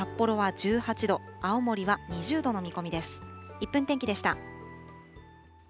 １分天気でした。